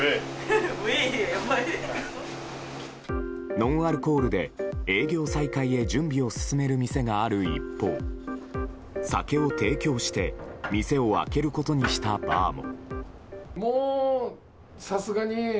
ノンアルコールで営業再開へ準備を進める店がある一方酒を提供して店を開けることにしたバーも。